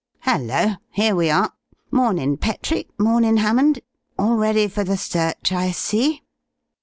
Hello, here we are! Mornin' Petrie; mornin' Hammond. All ready for the search I see."